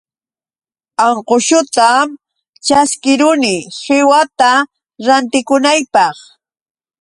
Anqusutam ćhaskiruni qiwata rantikunaypaq.